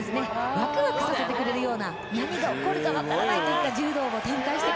ワクワクさせてくれるような何が起こるかわからないといった柔道を展開してくれるので。